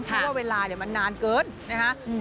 เพราะว่าเวลามันนานเกินนะฮะ